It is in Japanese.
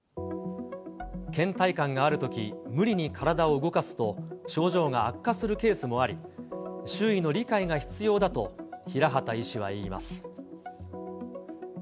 けん怠感があるとき、無理に体を動かすと、症状が悪化するケースもあり、周囲の理解が必要だと、平畑医師は言います。